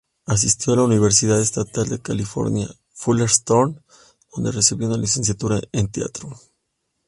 Asistió a la Universidad Estatal de California, Fullerton, donde recibió una licenciatura en teatro.